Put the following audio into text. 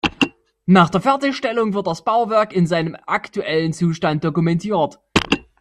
Nach der Fertigstellung wird das Bauwerk in seinem aktuellen Zustand dokumentiert.